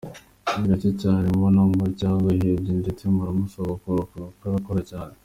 Ni gake cyane mubona ababaye cyangwa yihebye ndetse mpora musaba kuruhuka kuko arakora cyane.